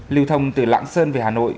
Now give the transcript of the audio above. lưu thông từ lãng sơn về hà nội